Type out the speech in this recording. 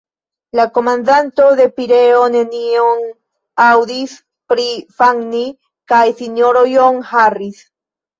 La komandanto de Pireo nenion aŭdis pri Fanni kaj S-ro John Harris.